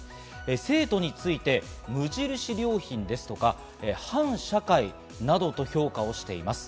生徒について「無印良品」ですとか、「反社会」などと評価をしています。